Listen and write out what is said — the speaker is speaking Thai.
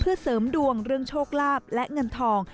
เพื่อเสริมดวงเรื่องโชคลาภและเงินทอง